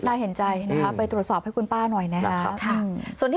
น่าเห็นใจนะคะไปตรวจสอบให้คุณป้าหน่อยนะครับ